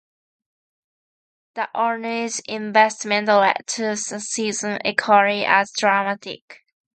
The owners' investment led to a season equally as dramatic.